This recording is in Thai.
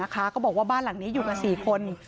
ก็บอกว่าบ้านหลังนี้อยู่กัน๔คน